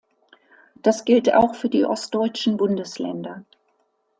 Das gilt auch für die ostdeutschen Bundesländer.